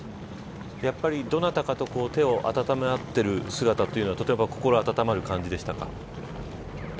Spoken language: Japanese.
やっぱりどなたかと手を温め合ってる姿というのはとても心温まる感じでしたか。